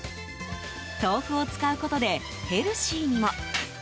豆腐を使うことでヘルシーにも。